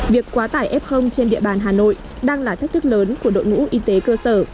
việc quá tải f trên địa bàn hà nội đang là thách thức lớn của đội ngũ y tế cơ sở